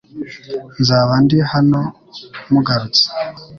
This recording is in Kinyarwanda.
Nzaba ndi hano mugarutse .